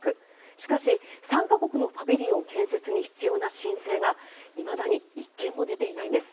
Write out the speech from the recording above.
しかし、参加国のパビリオン建設に必要な申請がいまだに１件も出ていないんです。